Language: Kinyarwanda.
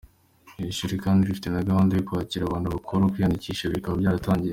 Iri shuri kandi rifite na gahunda yo kwakira abantu bakuru, kwiyandikisha bikaba byaratangiye.